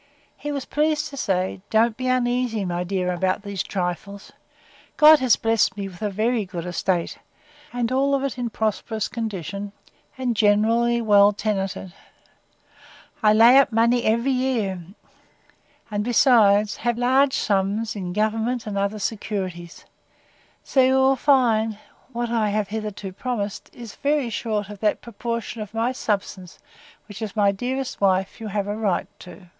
He was pleased to say, Don't be uneasy, my dear, about these trifles: God has blessed me with a very good estate, and all of it in a prosperous condition, and generally well tenanted. I lay up money every year, and have, besides, large sums in government and other securities; so that you will find, what I have hitherto promised, is very short of that proportion of my substance, which, as my dearest wife, you have a right to.